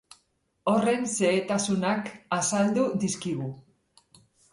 Horren xehetasunak azaldu dizkigu.